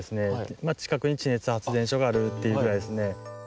まあちかくに地熱発電所があるっていうぐらいですね。